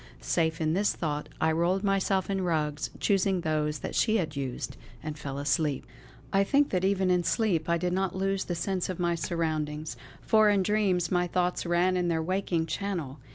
Safe in this thought I rolled myself in rugs choosing those that she had used and fell asleep. I think that even in sleep I did not lose the sense of my surroundings, for in dreams my thoughts ran in their waking channel.